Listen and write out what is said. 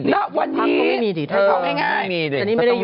แล้ววันนี้พักก็ไม่มีดิเธอให้เขาง่ายง่ายไม่มีแต่นี่ไม่ได้ยุป